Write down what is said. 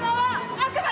悪魔？